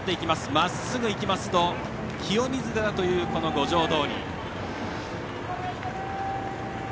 まっすぐいきますと清水寺というこの五条通。